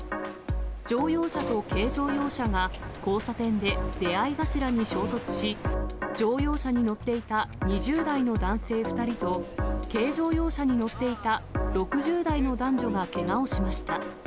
乗用車と軽乗用車が、交差点で出会い頭に衝突し、乗用車に乗っていた２０代の男性２人と、軽乗用車に乗っていた６０代の男女がけがをしました。